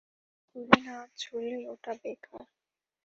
গুলি না ছুড়লে ওটা বেকার।